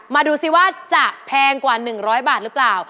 มาดูซิว่าจะแพงกว่า๑๐๐บาทหรือเปล่า